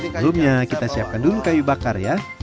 sebelumnya kita siapkan dulu kayu bakar ya